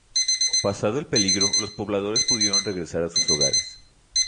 Pasado el peligro, los pobladores pudieron regresar a sus hogares.